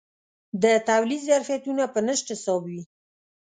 د تولید ظرفیتونه په نشت حساب وي.